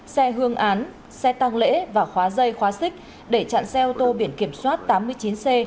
xe hương án xe tăng lễ và khóa dây khóa xích để chặn xe ô tô biển kiểm soát tám mươi chín c hai mươi tám nghìn tám trăm bốn mươi sáu